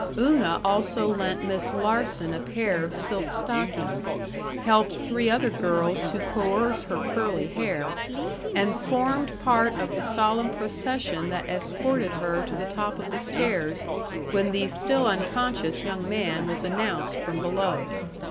Una also lent Miss Larsen a pair of silk stockings, helped three other girls to coerce her curly hair, and formed part of the solemn procession that escorted her to the top of the stairs when the still unconscious young man was announced from below.